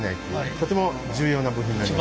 とても重要な部品になります。